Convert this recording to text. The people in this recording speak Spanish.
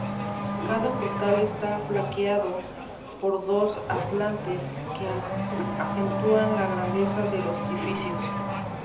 Cada portal está flanqueado por dos atlantes que acentúan la grandeza de los edificios.